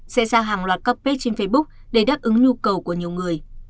sẽ ra hàng loạt các bếp trên facebook để đáp ứng nhu cầu của nhiều người